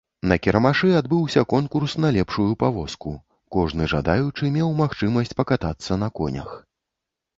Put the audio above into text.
На кірмашы адбыўся конкурс на лепшую павозку, кожны жадаючы меў магчымасць пакатацца на конях.